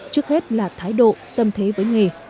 trước hết là thái độ tâm thế với nghề